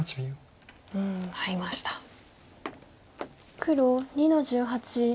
黒２の十八。